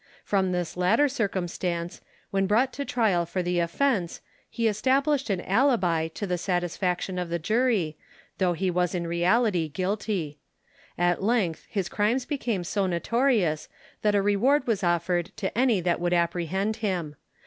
From this latter circumstance, when brought to trial for the offence, he established an alibi to the satisfaction of the jury, though he was in reality guilty. At length his crimes became so notorious, that a reward was offered to any that would apprehend him.